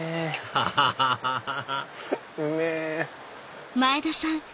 アハハハハうめぇ！